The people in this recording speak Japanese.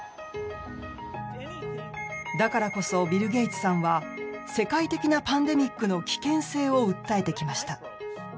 だからこそ、ビル・ゲイツさんは世界的なパンデミックの危険性を訴えてきました。